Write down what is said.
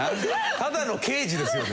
ただの刑事ですよね。